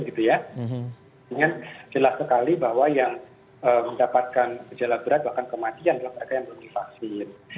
dengan jelas sekali bahwa yang mendapatkan gejala berat bahkan kematian adalah mereka yang belum divaksin